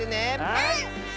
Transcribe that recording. はい！